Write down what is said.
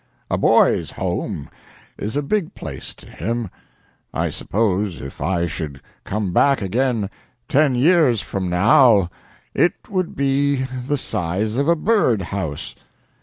"A boy's home is a big place to him. I suppose if I should come back again ten years from now it would be the size of a bird house."